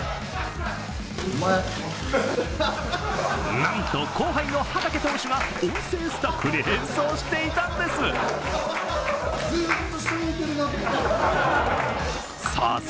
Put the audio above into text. なんと後輩の畠投手が音声スタッフに変装していたんです。